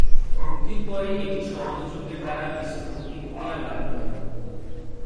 মুক্তির পরে এটি সমালোচকদের দ্বারা মিশ্র প্রতিক্রিয়া লাভ করে।